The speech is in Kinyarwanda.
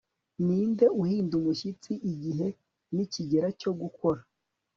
Ninde uhinda umushyitsi igihe nikigera cyo gukora